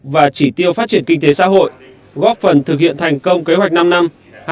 và chỉ tiêu phát triển kinh tế xã hội góp phần thực hiện thành công kế hoạch năm năm hai nghìn một mươi một hai nghìn hai mươi